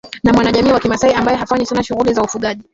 na mwanajamii wa kimasai ambae hufanya Sana shughuli za ufugaji